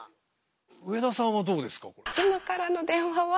上田さんはどうですか？